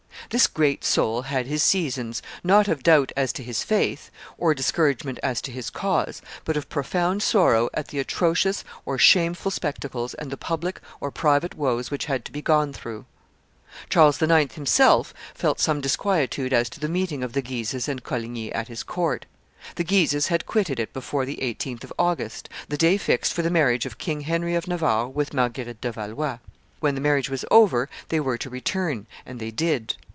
This great soul had his seasons, not of doubt as to his faith or discouragement as to his cause, but of profound sorrow at the atrocious or shameful spectacles and the public or private woes which had to be gone through. Charles IX. himself felt some disquietude as to the meeting of the Guises and Coligny at his court. The Guises had quitted it before the 18th of August, the day fixed for the marriage of King Henry of Navarre with Marguerite de Valois. When the marriage was over, they were to return, and they did.